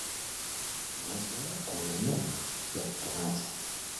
Maisha yako ya nyuma yalipoanza.